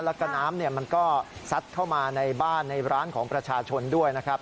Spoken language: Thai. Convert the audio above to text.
แล้วก็น้ำมันก็ซัดเข้ามาในบ้านในร้านของประชาชนด้วยนะครับ